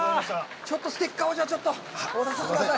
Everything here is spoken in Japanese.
ちょっとステッカーをちょっと、渡させてください。